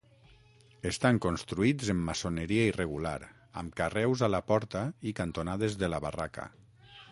Estan construïts en maçoneria irregular amb carreus a la porta i cantonades de la barraca.